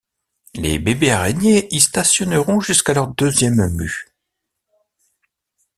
Les bébés-araignées y stationneront jusqu'à leur deuxième mue.